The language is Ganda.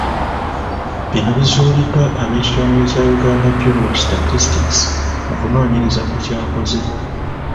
Bino bizuuliddwa ab'ekitongole kya Uganda Bureau Of Statistics mu kunoonyereza kwe kyakoze.